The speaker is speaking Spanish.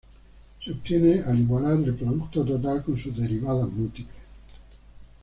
Se obtiene al igualar el Producto Total con sus Derivadas múltiples.